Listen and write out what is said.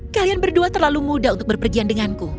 kalian berdua terlalu mudah untuk berpergian denganku